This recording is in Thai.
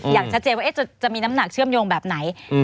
อย่างชัดเจนว่าจะมีน้ำหนักเชื่อมโยงแบบไหน